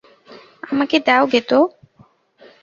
আমাকে দাও গেতো।